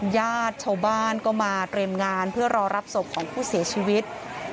ญาติชาวบ้านก็มาเตรียมงานเพื่อรอรับศพของผู้เสียชีวิต